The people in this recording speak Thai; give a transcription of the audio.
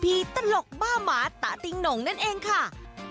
พี่ตาติ้งโหนงบอกว่าได้สตาปเจ้าโกเห็งไว้ดูต่างหน้าแทนความคิดถึงมานานกว่า๒๐ปีแล้วล่ะค่ะ